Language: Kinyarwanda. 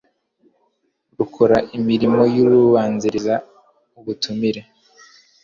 rukora imirimo y ururubanziriza ubutumire